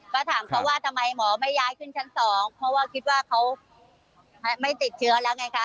ก็ถามเขาว่าทำไมหมอไม่ย้ายขึ้นชั้นสองเพราะว่าคิดว่าเขาไม่ติดเชื้อแล้วไงคะ